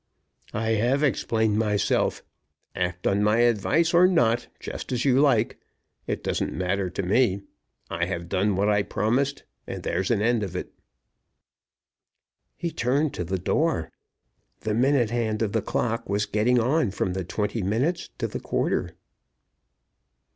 "I have explained myself. Act on my advice or not, just as you like. It doesn't matter to me. I have done what I promised, and there's an end of it." He turned to the door. The minute hand of the clock was getting on from the twenty minutes to the quarter.